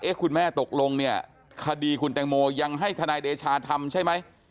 คุณแม่ตกลงเนี่ยคดีคุณแตงโมยังให้ทนายเดชาทำใช่ไหม